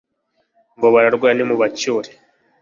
ngo bararwaye nimubacyure